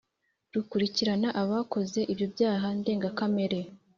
rukurikirana abakoze ibyo byaha ndengakamere?